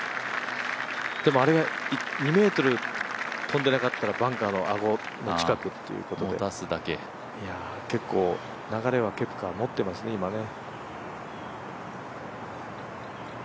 でもあれ、２ｍ飛んでなかったらバンカーのあご近くということで、結構、流れはケプカ持ってますね、今ね。